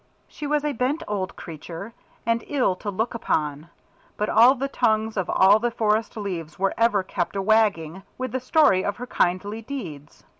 She was a bent old creature, and ill to look upon, but all the tongues of all the forest leaves were ever kept a wagging with the story of her kindly deeds.